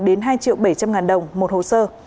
đến hai bảy trăm linh đồng một hồ sơ